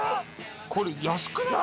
これ安くない？